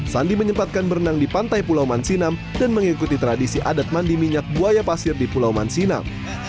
sandi menyempatkan berenang di pantai pulau mansinam dan mengikuti tradisi adat mandi minyak buaya pasir di pulau mansinam